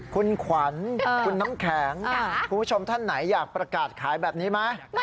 คุณขวัญคุณน้ำแข็งคุณผู้ชมท่านไหนอยากประกาศขายแบบนี้ไหม